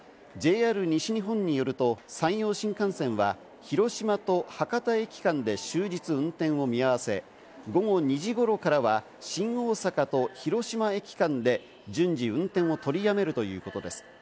ＪＲ西日本によると、山陽新幹線は広島と博多駅間で終日運転を見合わせ、午後２時頃からは新大阪と広島駅間で順次運転を取り止めるということです。